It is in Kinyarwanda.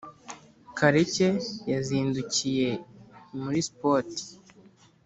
kareke yazindukiye muri sport